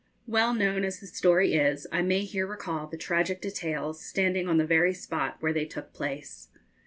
Well known as the story is, I may here recall the tragic details, standing on the very spot where they took place.